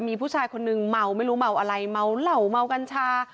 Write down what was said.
มีผู้ชายคนนึงเมาไม่รู้เมาอะไรเมาเหล่าเมากัญชา